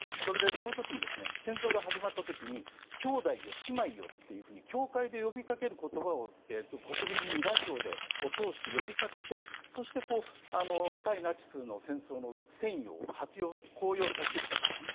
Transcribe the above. その前に戦争が始まった時に兄弟よ、姉妹よって教会で呼びかける言葉を国民にラジオを通して呼びかけてそして対ナチスの戦争の戦意を高揚させていったんですね。